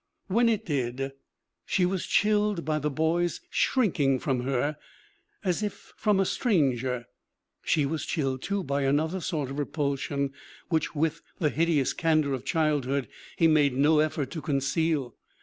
When it did, she was chilled by the boy's shrinking from her as if from a stranger; she was chilled, too, by another sort of repulsion, which with the hideous candor of childhood he made no effort to conceal.